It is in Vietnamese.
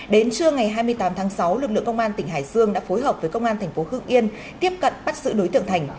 đến trưa ngày hai mươi tám tháng sáu lực lượng công an tỉnh hải dương đã phối hợp với công an thành phố hưng yên tiếp cận bắt giữ đối tượng thành